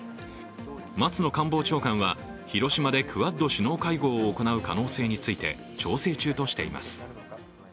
松野官房長官は広島でクアッド首脳会合を行う可能性について、調整中としています。